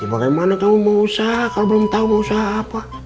bagaimana kamu mau usaha kalau belum tahu mau usaha apa